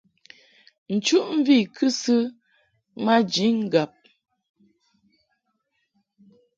Nchuʼmvi i kɨsɨ maji ŋgab.